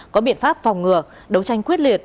có biện pháp phòng ngừa đấu tranh quyết liệt